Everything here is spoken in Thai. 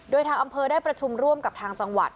โดยทางอำเภอได้ประชุมร่วมกับทางจังหวัด